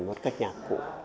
một cái nhạc cụ